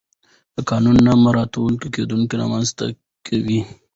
د قانون نه مراعت ګډوډي رامنځته کوي